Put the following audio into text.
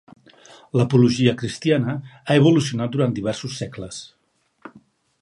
L'apologia cristiana ha evolucionat durant diversos segles.